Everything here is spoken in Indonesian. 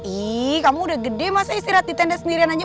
ih kamu udah gede masa istirahat di tenda sendirian aja